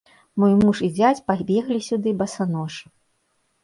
Мой муж і зяць пабеглі сюды басанож.